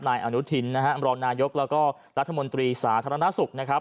นายอนุทินนะครับรองนายกแล้วก็รัฐมนตรีสาธารณสุขนะครับ